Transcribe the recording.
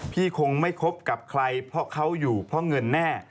คงไม่คบกับใครเพราะเขาอยู่เพราะเงินแน่